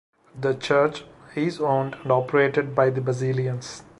The church is owned and operated by the Basilians.